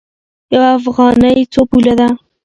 یوه افغانۍ څو پوله ده؟